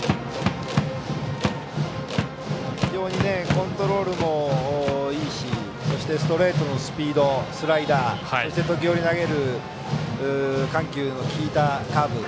非常にコントロールもいいしストレートのスピードスライダー、そして時折投げる緩急の利いたカーブ。